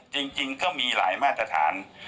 จริงก็มีหลายมาตรฐาน